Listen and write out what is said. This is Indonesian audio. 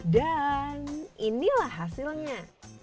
dan inilah hasilnya